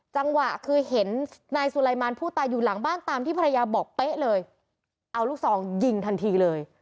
จังหวะคือเห็นนายสุไลมารผู้ตายอยู่หลังบ้านตามที่ภรรยาบอกเป๊ะเลยเอาลูกซองยิงทันทีเลย